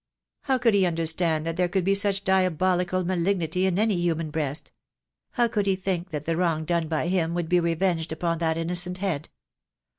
How could he understand that there could be such diabolical malignity in any human breast? How could he think that the wrong done by him would be revenged upon that innocent head?